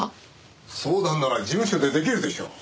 相談なら事務所で出来るでしょう。